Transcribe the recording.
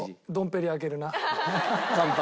乾杯。